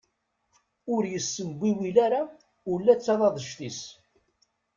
Ur yessembiwil ara ula d taḍadect-is.